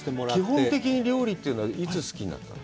基本的に料理というのは、いつ好きになったの？